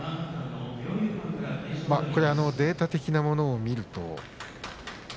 データ的なものを見ると。